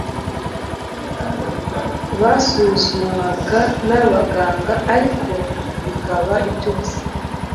Basuzumwaga n'abaganga, ariko bikaba iby'ubusa;